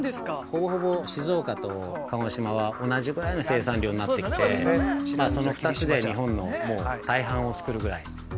◆ほぼほぼ静岡と鹿児島は同じぐらいの生産量になってきて、その２つで日本の大半を作るぐらい。